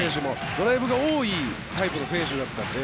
ドライブが多いタイプの選手だったので。